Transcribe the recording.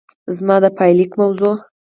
زما د پايليک موضوع